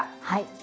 はい。